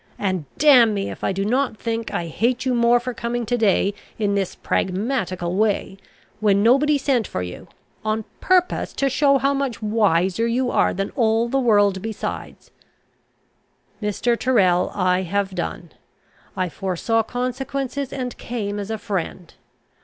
And damn me, if I do not think I hate you the more for coming to day in this pragmatical way, when nobody sent for you, on purpose to show how much wiser you are than all the world besides." "Mr. Tyrrel, I have done. I foresaw consequences, and came as a friend.